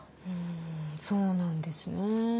そうなんですね。